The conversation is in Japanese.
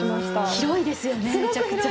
広いですよねめっちゃくちゃ。